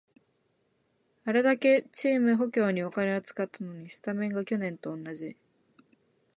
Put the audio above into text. あれだけチーム補強にお金使ったのに、スタメンが昨年と同じ